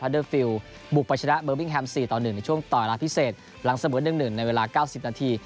เดอร์ฟิลบุกไปชนะเบอร์วิ่งแฮม๔ต่อ๑ในช่วงต่อเวลาพิเศษหลังเสมอ๑๑ในเวลา๙๐นาที